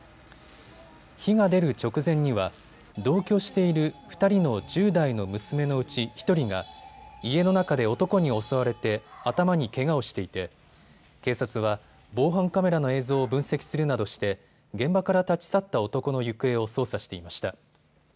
火が出る直前には同居している２人の１０代の娘のうち１人が家の中で男に襲われて頭にけがをしていて警察は防犯カメラの映像を分析するなどして現場から立ち去った男の行方を捜査していました。